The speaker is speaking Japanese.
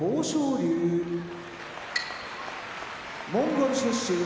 龍モンゴル出身